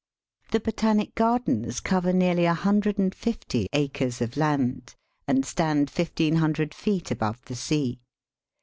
The Botanic Gardens cover nearly a hundred and fifty acres of land, and stand fifteen hundred feet above the sea.